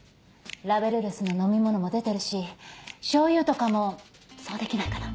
ラベルレスの飲み物も出てるし醤油とかもそうできないかな？